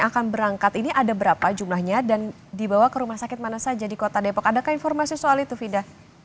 akan berangkat ini ada berapa jumlahnya dan dibawa ke rumah sakit mana saja di kota depok adakah informasi soal itu fida